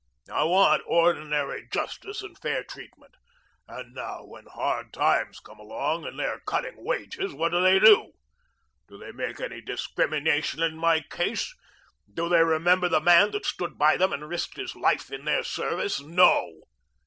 I want ordinary justice and fair treatment. And now, when hard times come along, and they are cutting wages, what do they do? Do they make any discrimination in my case? Do they remember the man that stood by them and risked his life in their service? No.